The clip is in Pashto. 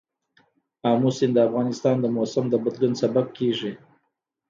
آمو سیند د افغانستان د موسم د بدلون سبب کېږي.